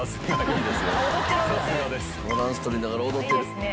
バランスとりながら踊ってる。